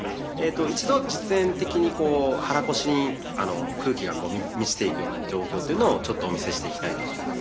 一度実演的に肚腰に空気が満ちていくような状況というのをちょっとお見せしていきたいと思います。